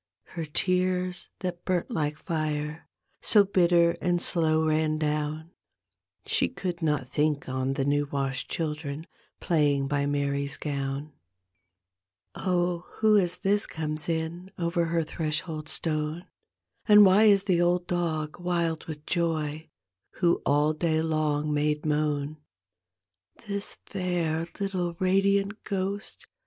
Her tears that burnt like fire So bitter and slow ran down She could not think on the new washed children Flaying by Mary's gown. D,gt,, erihyGOOglC The Little Ghost 2, Oh, who is this comes in Over her threshold stone? And why is the old dog wild with joy Who all day long made moan ? This fair little radiant ghost.